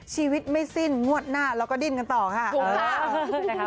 ชีวิตไม่สิ้นงวดหน้าเราก็ดิ้นกันต่อค่ะ